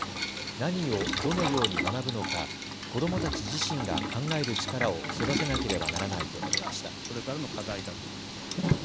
何をどのように学ぶのか子どもたち自身が考える力を育てなければならないと述べました。